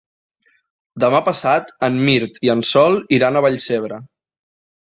Demà passat en Mirt i en Sol iran a Vallcebre.